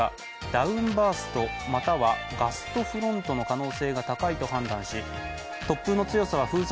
ダウンバーストまたはガストフロントの可能性が高いと判断し突風の強さは風速